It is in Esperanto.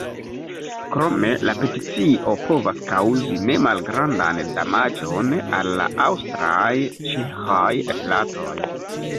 Krome la peticio povas kaŭzi nemalgrandan damaĝon al la aŭstraj-ĉeĥaj rilatoj.